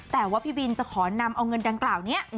แต่ว่าพี่บินจะขอนำเอาเงินดังกล่าวนี้